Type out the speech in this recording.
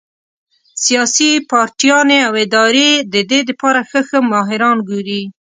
سياسي پارټيانې او ادارې د دې د پاره ښۀ ښۀ ماهران ګوري